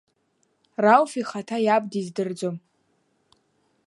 Рауф ихаҭа иаб диздырӡом.